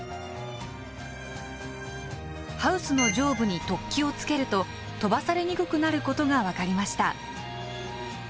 ハウスの上部に突起をつけると飛ばされにくくなることが分かりました。